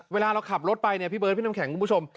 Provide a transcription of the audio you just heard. เวลาเราขับรถไปเนี่ยพี่เบิร์ดพี่น้ำแข็งคุณผู้ชม